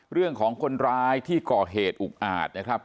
เรื่องของคนร้ายที่ก่อเหตุอุกอาจนะครับ